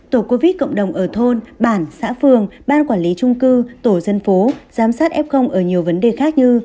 tổ covid cộng đồng ở thôn bản xã phường ban quản lý trung cư tổ dân phố giám sát f ở nhiều vấn đề khác như